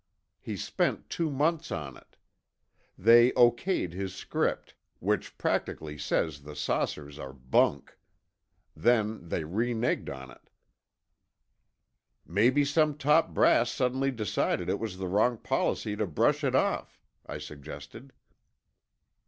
He spent two months on it. They O.K.'d his script, which practically says the saucers are bunk. Then they reneged on it." "Maybe some top brass suddenly decided it was the wrong policy to brush it off," I suggested.